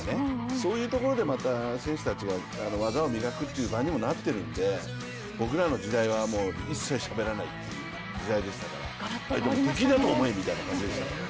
そういうところでまた選手たちが技を磨くという場にもなっているんで僕らの時代は一切しゃべらないという時代でしたから、敵だと思えみたいな感じでした、